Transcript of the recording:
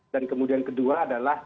dan kemudian kedua adalah